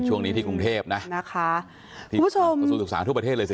ช่วงนี้ที่กรุงเทพที่สูตรศึกษาทั่วประเทศเลยสิ